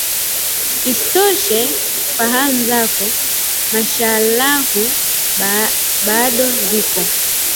isitoshe fahamu zako Mashallahu bado ziko